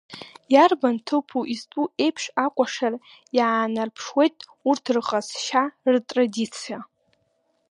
Иарбан ҭыԥу изтәу еиԥш акәашара иаанарԥшуеит урҭ рҟазшьа ртрадициа.